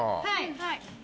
はい。